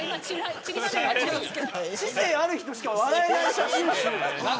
知性ある人しか笑えない写真集。